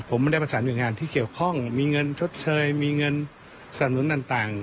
ผมไม่ได้ประสานหน่วยงานที่เกี่ยวข้องมีเงินชดเชยมีเงินสนับสนุนต่าง